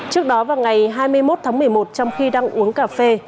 trước đó vào ngày hai mươi một tháng một mươi một trong khi đang uống cà phê